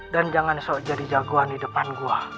dan jangan sok jadi jagoan di depan gua